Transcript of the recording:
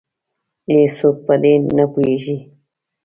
هیڅوک په دې نه پوهیږې